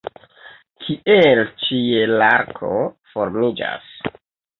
Kiel ĉielarko formiĝas?